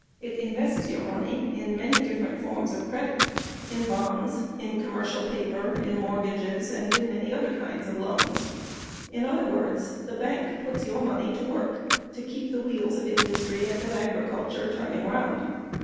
It invests your money in many different forms of credit bonds, commercial paper, mortgages and many other kinds of loans. In other words, the bank puts your money to work to keep the wheels of industry and of agriculture turning around.